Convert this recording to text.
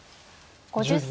５０歳。